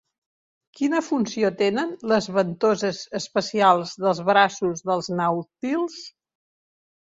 Quina funció tenen les ventoses especials dels braços dels nàutils?